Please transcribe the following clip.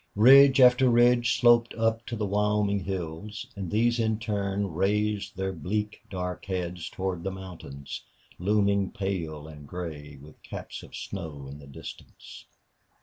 Ridge after ridge sloped up to the Wyoming hills, and these in turn raised their bleak, dark heads toward the mountains, looming pale and gray, with caps of snow, in the distance.